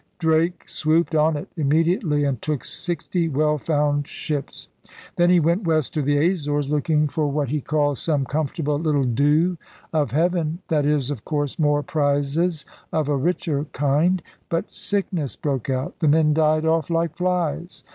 Drake swooped on it immediately and took sixty well found ships. Then he went west to the Azores, looking for what *THE ONE AND THE FIFTY THREE' 195 he called *some comfortable little dew of Heaven,' that is, of course, more prizes of a richer kind. But sickness broke out. The men died off like flies.